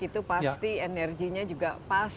itu pasti energinya juga pas